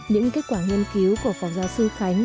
những kết quả nghiên cứu của phó giáo sư khánh